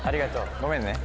ごめんね。